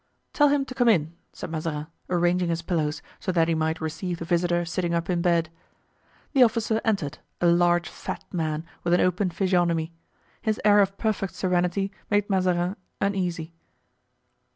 "Tell him to come in," said Mazarin, arranging his pillows, so that he might receive the visitor sitting up in bed. The officer entered, a large fat man, with an open physiognomy. His air of perfect serenity made Mazarin uneasy.